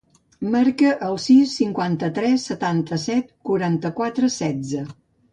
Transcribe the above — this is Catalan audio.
Marca el sis, cinquanta-tres, setanta-set, cinquanta-quatre, setze.